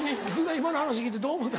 今の話聞いてどう思うた？